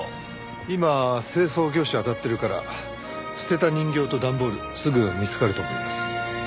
今清掃業者あたってるから捨てた人形と段ボールすぐ見つかると思います。